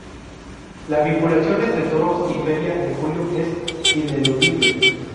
La vinculación entre toros y Feria de Julio es ineludible.